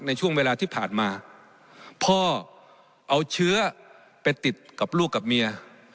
ในช่วงเวลาที่ผ่านมาพ่อเอาเชื้อไปติดกับลูกกับเมีย